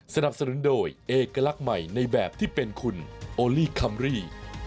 สนับสนุนโดยเอกลักษณ์ใหม่ในแบบที่เป็นคุณโอลี่คัมรี่